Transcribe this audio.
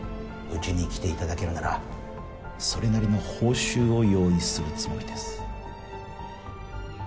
うちに来て頂けるならそれなりの報酬を用意するつもりです。